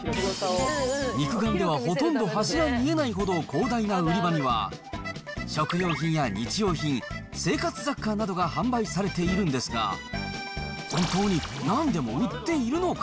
肉眼では、ほとんど端が見えないほど広大な売り場には、食料品や日用品、生活雑貨などが販売されているんですが、本当になんでも売っているのか？